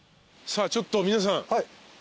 さあちょっと皆さん